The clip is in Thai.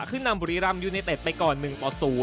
ขึ้นนำบุรีรัมป์ยูเนเต็ดไปก่อน๑ป๐